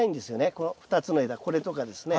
この２つの枝これとかですね。